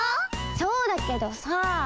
そうだけどさあ。